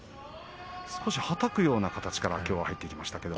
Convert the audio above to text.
少しはたくような形から入っていきました。